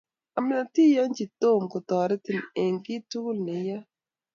amatkiyonchi Tom kotoretin eng kiy tugul neiyoe